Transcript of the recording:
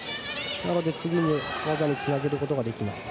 なので次の技につなげることができない。